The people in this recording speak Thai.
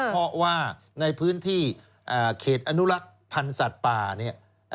เพราะว่าในพื้นที่เขตอนุรักษ์พันธ์สัตว์ป่าเนี่ย